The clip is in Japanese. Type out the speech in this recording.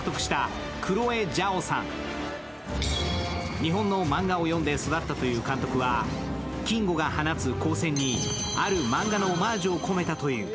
日本の漫画を読んで育ったという監督はキンゴが放つ光線に、ある漫画のオマージュを込めたという。